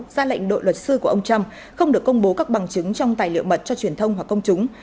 ra lệnh đội luật sư của ông trump không được công bố các bằng chứng trong tài liệu mật cho truyền thông hoặc công chúng